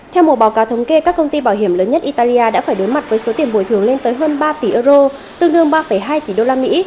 theo một báo cáo thống kê các công ty bảo hiểm lớn nhất italia đã phải đối mặt với số tiền bồi thường lên tới hơn ba tỷ euro tương đương ba hai tỷ đô la mỹ